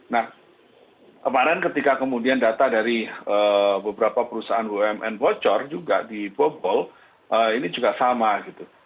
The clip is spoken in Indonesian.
nah kemarin ketika kemudian data dari beberapa perusahaan bumn bocor juga dibobol ini juga sama gitu